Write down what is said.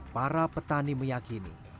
para petani meyakini